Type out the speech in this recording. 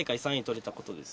取れたことです。